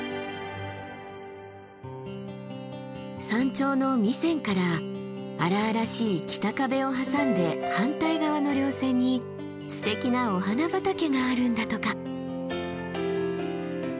山頂の弥山から荒々しい北壁を挟んで反対側の稜線にすてきなお花畑があるんだとか。